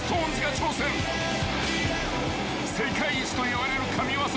［世界一といわれる神業］